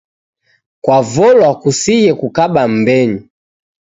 Kwavolwa kusighe kukaba m'mbenyu.